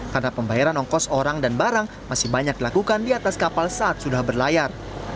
karena pembayaran ongkos orang dan barang masih banyak dilakukan di atas kapal saat sudah berlayar